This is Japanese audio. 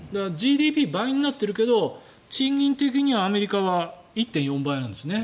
ＧＤＰ、倍になってるけど賃金的にはアメリカは１．４倍なんですね。